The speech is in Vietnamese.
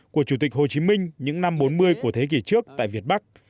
của chủ tịch hồ chí minh những năm bốn mươi của thế kỷ trước tại việt bắc